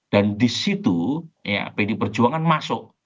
dan di situ ya pd perjuangan masuk